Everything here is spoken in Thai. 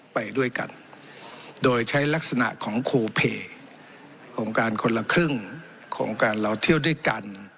ไปด้วยกันโดยใช้ลักษณะของครูเพจโครงการคนละครึ่งโครงการเราเที่ยวด้วยกัน